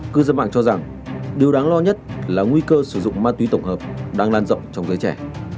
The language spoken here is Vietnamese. cư dân mạng cho rằng điều đáng lo nhất là nguy cơ sử dụng ma túy tổng hợp đang lan rộng trong giới trẻ